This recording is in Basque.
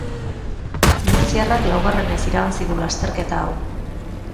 Murtziarrak, laugarrenez irabazi du lasterketa hau.